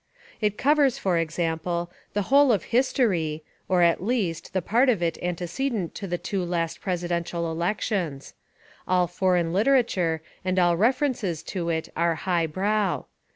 It covers, for example, the whole of history, or, at least, the part of It antecedent to the two last presidential elections. All for eign literature, and all references to it are "high brow."